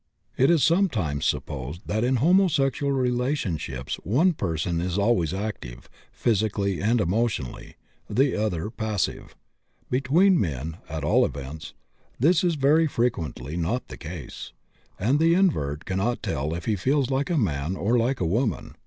It is sometimes supposed that in homosexual relationships one person is always active, physically and emotionally, the other passive. Between men, at all events, this is very frequently not the case, and the invert cannot tell if he feels like a man or like a woman.